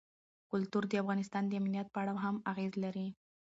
کلتور د افغانستان د امنیت په اړه هم اغېز لري.